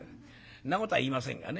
そんなことは言いませんがね。